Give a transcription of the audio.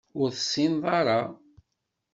Ur tessineḍ ara.